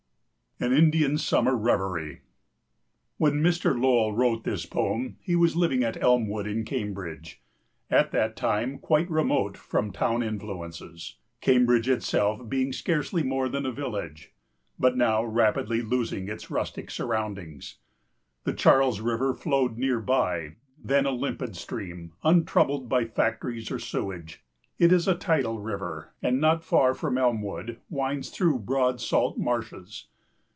AN INDIAN SUMMER REVERIE. [When Mr. Lowell wrote this poem he was living at Elmwood in Cambridge, at that time quite remote from town influences, Cambridge itself being scarcely more than a village, but now rapidly losing its rustic surroundings. The Charles River flowed near by, then a limpid stream, untroubled by factories or sewage. It is a tidal river and not far from Elmwood winds through broad salt marshes.